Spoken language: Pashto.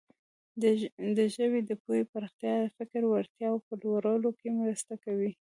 د ژبې د پوهې پراختیا د فکري وړتیاوو په لوړولو کې مرسته کوي.